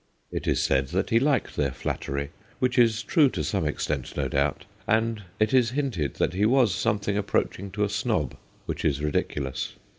It is said that he liked their flattery, which is true to some extent, no doubt, and it is hinted that he was something approach ing to a snob, which is ridiculous.